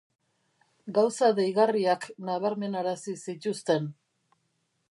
Gauza deigarriak nabarmenarazi zituzten.